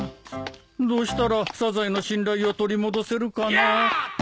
どうしたらサザエの信頼を取り戻せるかな？